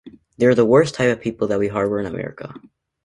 They're the worst type of people that we harbor in America.